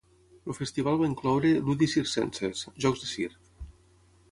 El festival va incloure "ludi circenses", jocs de circ.